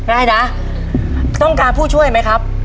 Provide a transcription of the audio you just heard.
ได้นะต้องการผู้ช่วยไหมครับ